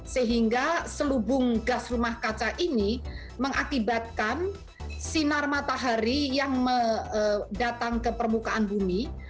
sehingga selubung gas rumah kaca ini mengakibatkan sinar matahari yang datang ke permukaan bumi